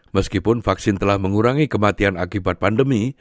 meskipun vaksin telah mengurangi kematian akibat pandemi